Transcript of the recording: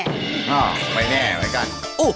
ก็ไม่แน่ไว้กัน